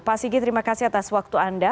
pak sigi terima kasih atas waktu anda